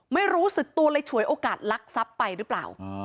ไม่รู้สึกตัวเลยฉวยโอกาสลักทรัพย์ไปหรือเปล่า